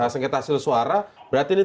sengketa hasil suara berarti ini